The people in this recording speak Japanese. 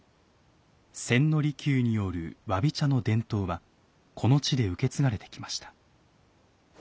千利休によるわび茶の伝統はこの地で受け継がれてきました。